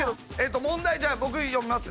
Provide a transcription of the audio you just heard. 問題じゃあ僕読みますね。